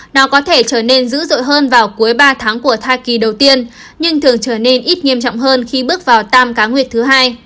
nó có thể trở nên dữ dội hơn vào cuối ba tháng của thai kỳ đầu tiên nhưng thường trở nên ít nghiêm trọng hơn khi bước vào tam cá nguyệt thứ hai